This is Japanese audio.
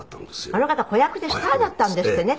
あの方子役でスターだったんですってね